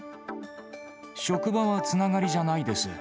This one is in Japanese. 職場はつながりじゃないです。